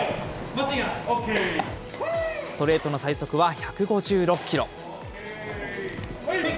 ストレートの最速は１５６キロ。